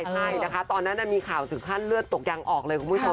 ใช่นะคะตอนนั้นมีข่าวถึงขั้นเลือดตกยังออกเลยคุณผู้ชม